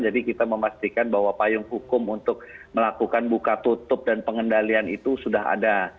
jadi kita memastikan bahwa payung hukum untuk melakukan buka tutup dan pengendalian itu sudah ada